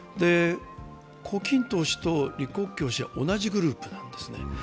胡錦涛氏と李克強氏は同じグループなんですね